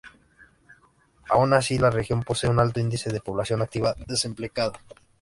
Aun así, la región pose un alto índice de población activa desempleada.